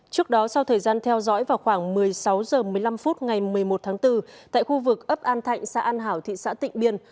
trước đó sau thời gian theo dõi vào khoảng một mươi sáu h một mươi năm phút ngày một mươi một tháng bốn tại khu vực ấp an thạnh xã an hảo thị xã tịnh biên